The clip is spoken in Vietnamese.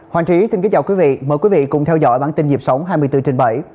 hoàng trí xin kính chào quý vị mời quý vị cùng theo dõi bản tin nhịp sống hai mươi bốn trên bảy